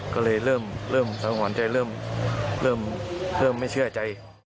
ก็เลยเริ่มเริ่มความหวานใจเริ่มไม่เชื่อใจ